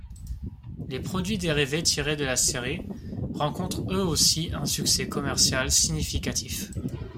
Les produits dérivés tirés de la série rencontrent eux aussi un succès commercial significatif.